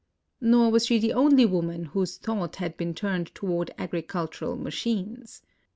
Nor was she the only woman whose thought has been turned toward agricultural machines.